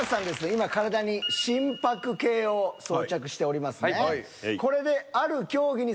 今体に心拍計を装着しておりますね。